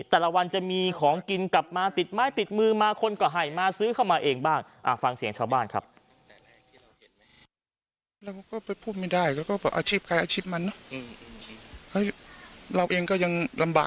แต่ละวันจะมีของกินกลับมาติดไม้ติดมือมาคนก็ให้มาซื้อเข้ามาเองบ้างฟังเสียงชาวบ้านครับ